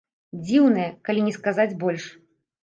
Дзіўная, калі не сказаць больш.